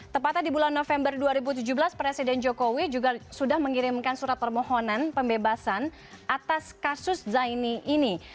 tepatnya di bulan november dua ribu tujuh belas presiden jokowi juga sudah mengirimkan surat permohonan pembebasan atas kasus zaini ini